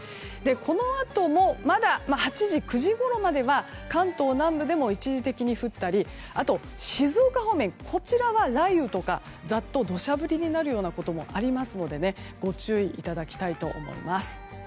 このあとも８時、９時ごろまでは関東南部でも一時的に降ったりあと、静岡方面は雷雨とかざっと土砂降りになるようなこともありますのでご注意いただきたいと思います。